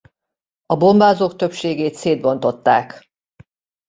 A bombázók többségét szétbontották.